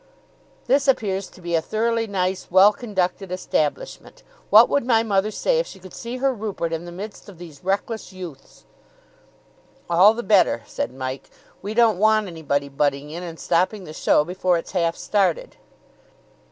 "This appears to be a thoroughly nice, well conducted establishment. What would my mother say if she could see her Rupert in the midst of these reckless youths!" "All the better," said Mike; "we don't want anybody butting in and stopping the show before it's half started."